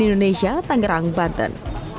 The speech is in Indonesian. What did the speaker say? indonesia tangerang banten